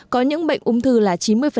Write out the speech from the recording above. có những bệnh ung thư là chín mươi